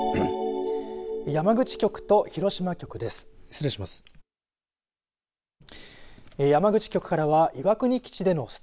山口局と広島局です。